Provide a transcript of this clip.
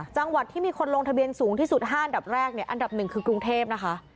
จังหวัดที่มีคนลงทะเบียนสูงที่สุด๕อันดับแรกเนี่ยอันดับหนึ่งคือกรุงเทพนะคะ